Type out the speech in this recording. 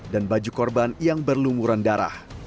dan baju korban yang berlumuran darah